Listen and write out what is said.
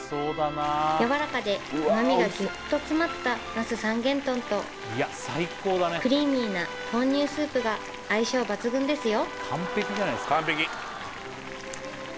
やわらかでうまみがギュッと詰まった那須三元豚とクリーミーな豆乳スープが相性抜群ですよ